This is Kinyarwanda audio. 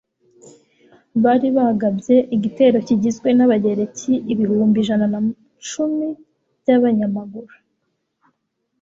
bari bagabye igitero kigizwe n'abagereki ibihumbi ijana na cumi by'abanyamaguru